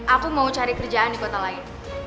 aku mau cari kerjaan di kota lain